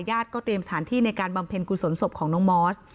เตรียมสถานที่ในการบำเพ็ญกุศลศพของน้องมอส